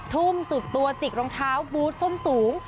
ทุ่มสุดตัวจิกรองเท้าบูธส้นสูง